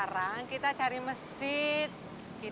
bang temati ini